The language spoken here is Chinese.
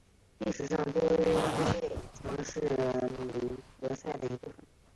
在历史上波普勒曾是米德塞克斯的一部分。